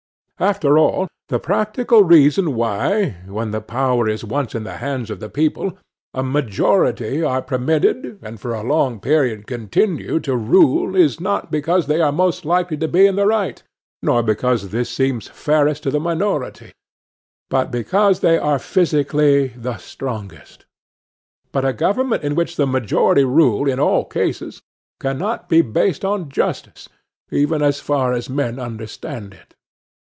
After all, the practical reason why, when the power is once in the hands of the people, a majority are permitted, and for a long period continue, to rule, is not because they are most likely to be in the right, nor because this seems fairest to the minority, but because they are physically the strongest. But a government in which the majority rule in all cases can not be based on justice, even as far as men understand it.